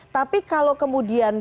tapi kalau kemudian